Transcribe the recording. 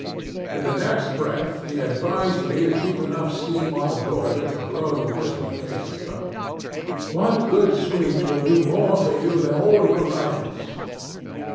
In the next breath he advised me to keep enough steam on the boiler to blow the whistle in case of any trouble. 'One good screech will do more for you than all your rifles.